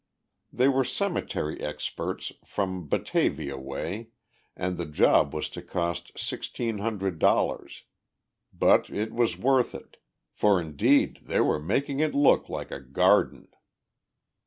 They were cemetery experts from Batavia way, and the job was to cost sixteen hundred dollars. But it was worth it, for indeed they were making it look like a garden!